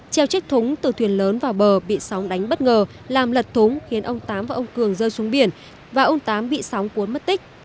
treo chiếc thúng từ thuyền lớn vào bờ bị sóng đánh bất ngờ làm lật thúng khiến ông tám và ông cường rơi xuống biển và ông tám bị sóng cuốn mất tích